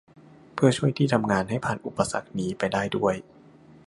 เพื่อช่วยที่ทำงานให้ผ่านอุปสรรคนี้ไปได้ด้วย